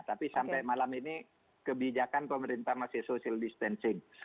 tapi sampai malam ini kebijakan pemerintah masih social distancing